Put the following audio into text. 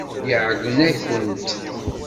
Iɛeyyen-akent.